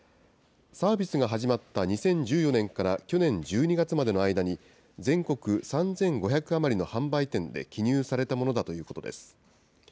サービスが始まった２０１４年から去年１２月までの間に、全国３５００余りの販売店で記入されたものだということです。